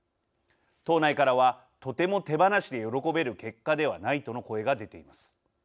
党内からは、とても手放しで喜べる結果ではないとの声が出ています。